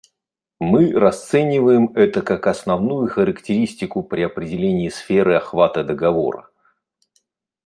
Мы расцениваем это как основную характеристику при определении сферы охвата договора.